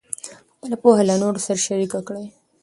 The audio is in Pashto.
خپله پوهه له نورو سره شریک کړئ.